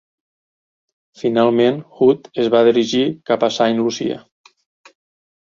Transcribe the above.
Finalment, Hood es va dirigir cap a Saint Lucia.